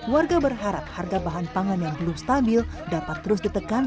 warga berharap harga bahan pangan yang belum stabil dapat terus ditekan